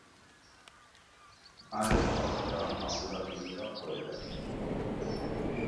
মায়ের কথাটা মাছুদাকে নীরব করে দেয়।